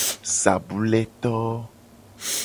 Sabule to.